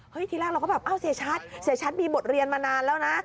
เฮ้ยทีแรกเราก็แบบเสียชัตริย์มีบทเรียนมานานแล้วนะ